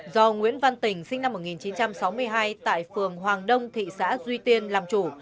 do nguyễn văn tình sinh năm một nghìn chín trăm sáu mươi hai tại phường hoàng đông thị xã duy tiên làm chủ